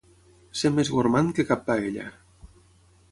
Ser més gormand que cap paella.